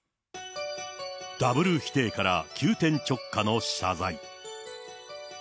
ダブル否定から急転直下の謝罪。